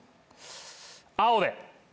青で！